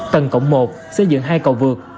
tầng cộng một xây dựng hai cầu vực